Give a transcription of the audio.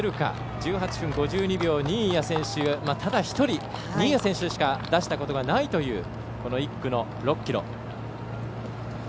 １８分５２秒新谷選手、ただ１人新谷選手しか出したことがないというこの１区の６ｋｍ。